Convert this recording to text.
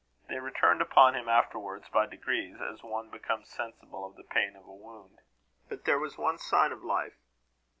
They returned upon him afterwards by degrees, as one becomes sensible of the pain of a wound. But there was one sign of life.